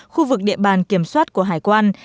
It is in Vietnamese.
khu vực địa bàn kiểm soát của hải quan